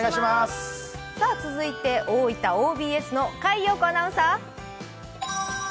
続いて大分ＯＢＳの甲斐蓉子アナウンサー。